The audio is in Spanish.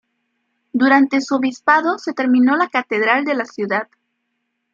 Durante su obispado se terminó la Catedral de la ciudad.